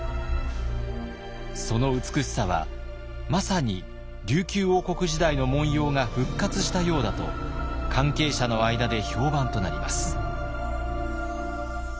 その美しさはまさに琉球王国時代の紋様が復活したようだと関係者の間で評判となります。